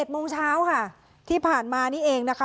โมงเช้าค่ะที่ผ่านมานี่เองนะคะ